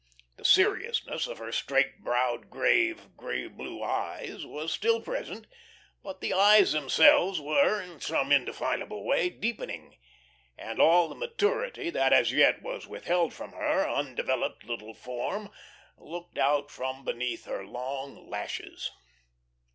The seriousness of her straight browed, grave, grey blue eyes was still present, but the eyes themselves were, in some indefinable way, deepening, and all the maturity that as yet was withheld from her undeveloped little form looked out from beneath her long lashes.